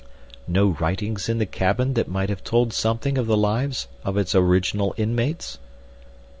"No writings in the cabin that might have told something of the lives of its original inmates?"